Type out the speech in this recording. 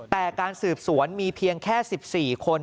แต่การสืบสวนมีเพียงแค่๑๔คน